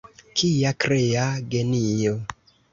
Kia krea genio!